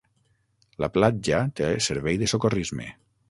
La platja té servei de socorrisme.